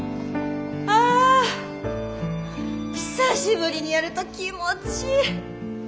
あ久しぶりにやると気持ちいい。